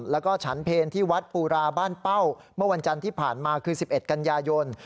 แล้วก็ฉันเพลที่วัดภูราบ้านเป้าเมื่อวันจันทร์ที่ผ่านมาคือ๑๑กันยายน